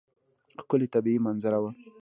ښکلې طبیعي منظره وه.